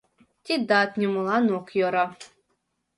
Тидат нимолан ок йӧрӧ.